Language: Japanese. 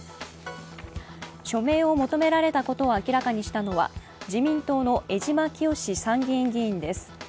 署名を求められたことを明らかにしたのは自民党の江島潔参議院議員です。